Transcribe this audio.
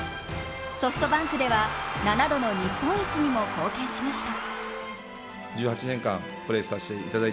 ソフトバンクでは７度の日本一にも貢献しました。